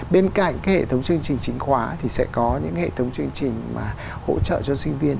bên cạnh cái hệ thống chương trình chính khóa thì sẽ có những hệ thống chương trình mà hỗ trợ cho sinh viên